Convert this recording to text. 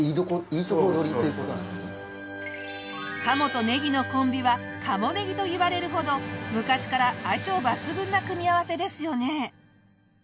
鴨とねぎのコンビは鴨ねぎと言われるほど昔から相性抜群な組み合わせですよね。